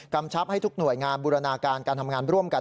ชับให้ทุกหน่วยงานบูรณาการการทำงานร่วมกัน